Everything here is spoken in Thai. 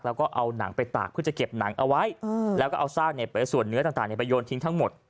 แล้วก็เอาหนังไปตากเพื่อจะเก็บหนังเอาไว้แล้วก็เอาซากส่วนเนื้อต่างไปโยนทิ้งทั้งหมด